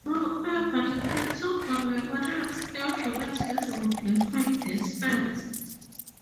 However, the Pentagon Memorial still remains visible behind this fence.